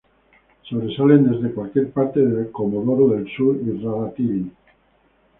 Sobresalen desde cualquier parte de Comodoro del Sur y Rada Tilly.